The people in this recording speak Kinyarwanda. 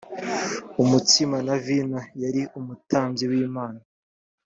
imitsima na vino yari umutambyi w imana